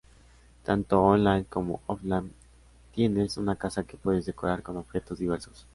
Tanto online como offline tienes una casa que puedes decorar con objetos diversos.